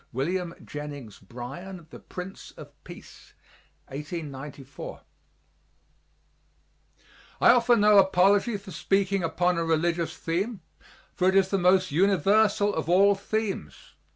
WILLIAM JENNINGS BRYAN THE PRINCE OF PEACE (1894) I offer no apology for speaking upon a religious theme, for it is the most universal of all themes.